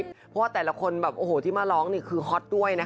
เพราะว่าแต่ละคนแบบโอ้โหที่มาร้องนี่คือฮอตด้วยนะคะ